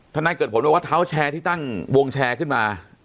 นายเกิดผลบอกว่าเท้าแชร์ที่ตั้งวงแชร์ขึ้นมา